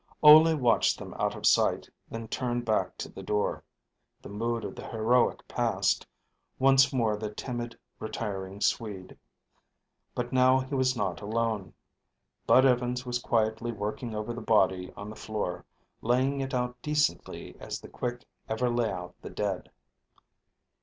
Ole watched them out of sight, then turned back to the door; the mood of the heroic passed, once more the timid, retiring Swede. But now he was not alone. Bud Evans was quietly working over the body on the floor, laying it out decently as the quick ever lay out the dead.